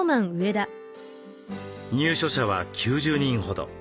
入所者は９０人ほど。